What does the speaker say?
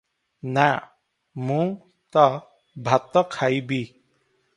ନାଁ ମୁଁ ତ ଭାତ ଖାଇବି ।"